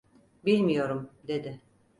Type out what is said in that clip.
"Bilmiyorum!" dedi.